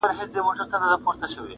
له خپل تربوره مو د سلو کالو غچ اخیستی -